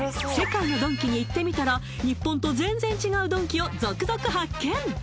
世界のドンキに行ってみたら日本と全然違うドンキを続々発見